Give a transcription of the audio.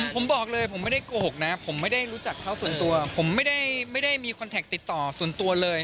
ผมบอกเลยผมไม่ได้โกหกนะผมไม่ได้รู้จักเขาส่วนตัวผมไม่ได้มีคอนแท็กติดต่อส่วนตัวเลย